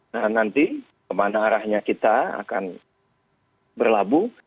nah nanti kemana arahnya kita akan berlabuh